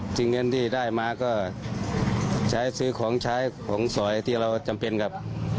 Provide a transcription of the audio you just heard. เงินที่ได้มาก็ใช้ซื้อของใช้ของสอยที่เราจำเป็นครับ